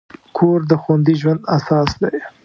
کور د خوندي ژوند اساس دی.